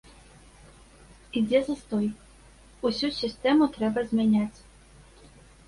Ідзе застой, усю сістэму трэба змяняць.